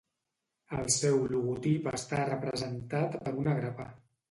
El seu logotip està representat per una grapa.